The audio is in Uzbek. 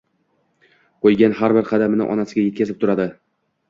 Qo`ygan har bir qadamini onasiga etkazib turadi